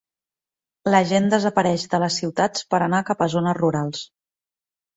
La gent desapareix de les ciutats per anar cap a zones rurals.